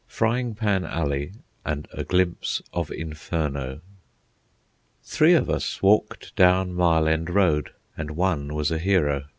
FRYING PAN ALLEY AND A GLIMPSE OF INFERNO Three of us walked down Mile End Road, and one was a hero.